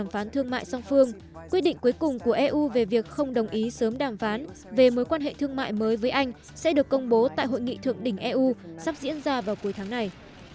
phán thương mại song phương quyết định cuối cùng của eu về việc không đồng ý sớm đàm phán về mối quan hệ thương mại mới với anh sẽ được công bố tại hội nghị thượng đỉnh eu sắp diễn ra vào cuối tháng này